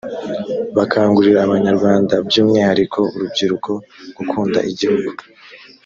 gukangurira abanyarwanda by’umwihariko urubyiruko gukunda igihugu